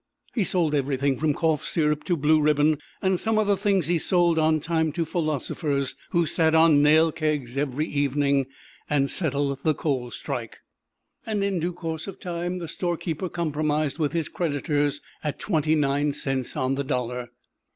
He sold everything from cough syrup to blue ribbon; and some of the things he sold on time to philosophers who sat on nail kegs every evening, and settled the coal strike. And in due course of time the storekeeper compromised with his creditors, at twenty nine cents on the dollar.